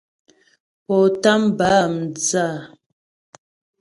Pó tám bǎ mdzə́ a ?